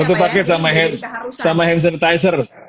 satu paket sama hand sanitizer